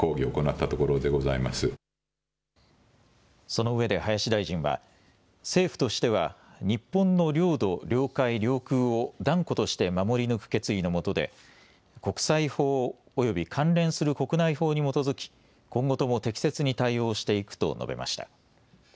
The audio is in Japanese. そのうえで林大臣は政府としては日本の領土、領海、領空を断固として守り抜く決意のもとで国際法および関連する国内法に基づき今後とも適切に対応していくと述べました。